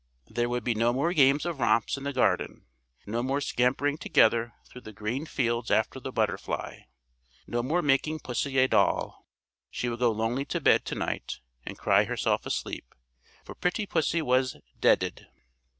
There would be no more games of romps in the garden, no more scampering together through the green fields after the butterfly, no more making pussy a doll. She would go lonely to bed to night and cry herself asleep, for pretty pussy was "deadëd."